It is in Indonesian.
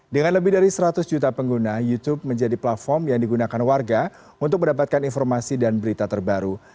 dengan lebih dari seratus juta pengguna youtube menjadi platform yang digunakan warga untuk mendapatkan informasi dan berita terbaru